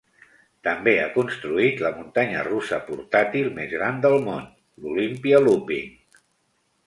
També ha construït la muntanya russa portàtil més gran del món, l'Olympia Looping.